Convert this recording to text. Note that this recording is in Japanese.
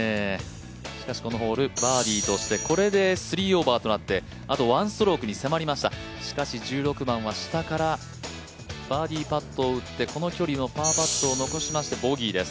しかしこのホールバーディーとしてこれで３オーバーとなってあと１ストロークに迫りました１６番は下からバーディーパットを打って、この距離のパーパットを残してボギーです。